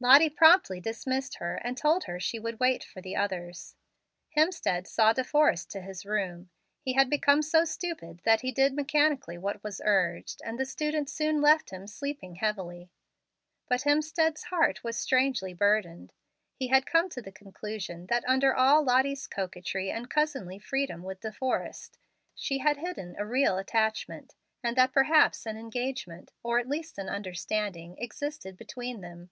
Lottie promptly dismissed her, and told her she would wait for the others. Hemstead saw De Forrest to his room. He had become so stupid that he did mechanically what was urged, and the student soon left him sleeping heavily. But Hemstead's heart was strangely burdened. He had come to the conclusion that under all Lottie's coquetry and cousinly freedom with De Forrest she had hidden a real attachment, and that perhaps an engagement, or at least an understanding, existed between them.